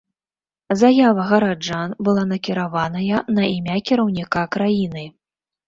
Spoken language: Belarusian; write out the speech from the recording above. Заява гараджан была накіраваная на імя кіраўніка краіны.